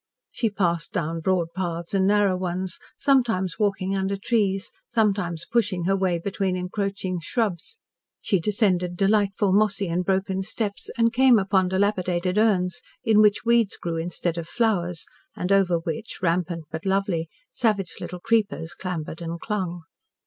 She passed down broad paths and narrow ones, sometimes walking under trees, sometimes pushing her way between encroaching shrubs; she descended delightful mossy and broken steps and came upon dilapidated urns, in which weeds grew instead of flowers, and over which rampant but lovely, savage little creepers clambered and clung.